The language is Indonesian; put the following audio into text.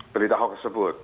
berita hoax tersebut